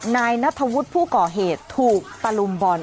นายณฐวุฒิผู้ก่อเหตุถูกปรุมบร